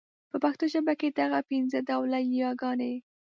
په پښتو ژبه کي دغه پنځه ډوله يې ګاني